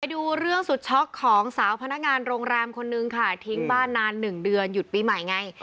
ดูเรื่องสุดช็อกของสาวพนักงานโรงแรมคนนึงค่ะทิ้งบ้านนาน๑เดือนหยุดปีใหม่ไง